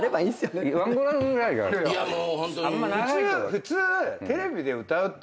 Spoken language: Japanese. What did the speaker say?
普通。